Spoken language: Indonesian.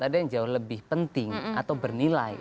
ada yang jauh lebih penting atau bernilai